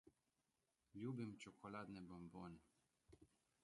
Ljubim čokoladne bombone.